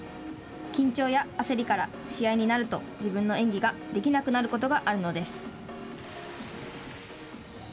緊張や焦りから、試合になると自分の演技ができなくなることがあるのです。